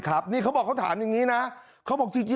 เขาเล่าบอกว่าเขากับเพื่อนเนี่ยที่เรียนปลูกแดงใช่ไหม